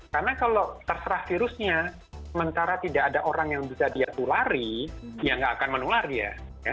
karena kalau terserah virusnya sementara tidak ada orang yang bisa dia tulari ya gak akan menular dia